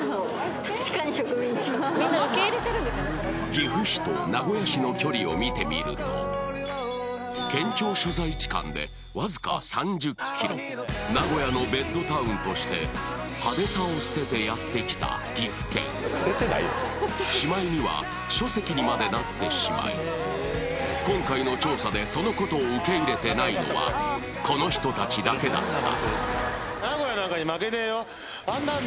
岐阜市と名古屋市の距離を見てみると県庁所在地間でわずか３０ｋｍとして派手さを捨ててやってきた岐阜県しまいには書籍にまでなってしまい今回の調査でそのことを受け入れてないのはこの人たちだけだった